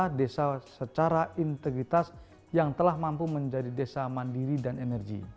desa secara integritas yang telah mampu menjadi desa mandiri dan energi